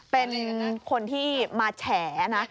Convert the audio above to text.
เป็นคนที่มาแฉนะ